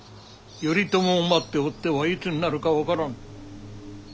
頼朝を待っておってはいつになるか分からん。